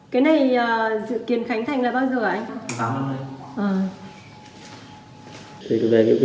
cái này dự kiến khánh thành là bao giờ anh